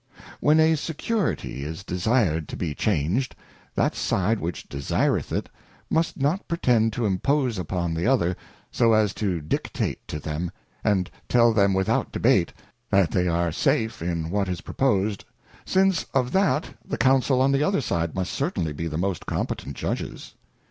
When a Security is desired to be changed, that side which desireth it must not pretend to impose upon the other, so as to dictate to them, and tell them without debate, that they are safe in what is proposed, since of that the Counsel on the other side must certainly be the most competent Judges.